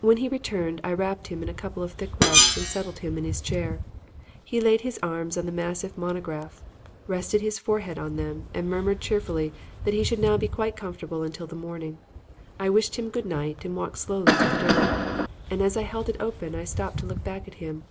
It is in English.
When he returned, I wrapped him in a couple of thick rugs and settled him in his chair. He laid his arms on the massive monograph, rested his forehead on them and murmured cheerfully that he should now be quite comfortable until the morning. I wished him "good night" and walked slowly to the door, and as I held it open I stopped to look back at him.